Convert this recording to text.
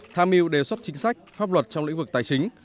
tham mưu đề xuất chính sách pháp luật trong lĩnh vực tài chính